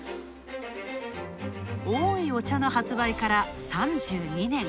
「おいお茶」の発売から３２年。